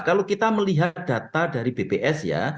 kalau kita melihat data dari bps ya